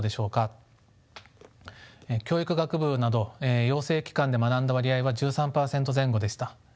教育学部など養成機関で学んだ割合は１３％前後でした。